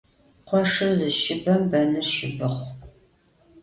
Khoşşır zışıbem benır şıbıxhu.